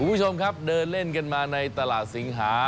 คุณผู้ชมครับเดินเล่นกันมาในตลาดสิงหา